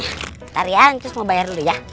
bentar ya mucus mau bayar dulu ya